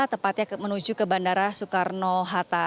tepatnya menuju ke bandara soekarno hatta